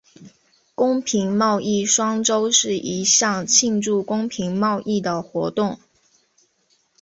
公平贸易双周是一项庆祝公平贸易的活动。